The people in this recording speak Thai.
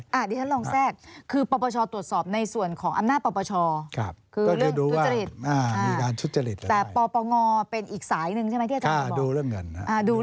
แต่ประปังงอมีอีกสายหนึ่งใช่ไหมอาจารย์บอกค่าดูเรื่องเงินครับ